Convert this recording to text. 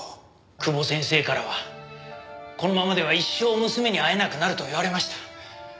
久保先生からはこのままでは一生娘に会えなくなると言われました。